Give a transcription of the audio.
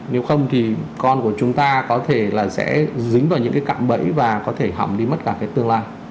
nếu không thì con của chúng ta có thể là sẽ dính vào những cái cặm bẫy và có thể hỏng đi mất cả cái tương lai